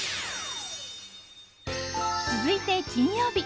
続いて、金曜日。